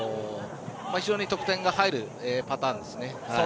非常に得点が入るパターンですね。